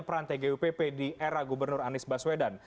peran tgupp di era gubernur anies baswedan